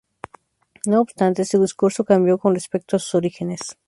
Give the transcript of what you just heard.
No obstante, su discurso cambió con respecto a sus orígenes.